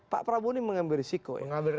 pak prabowo ini mengambil risiko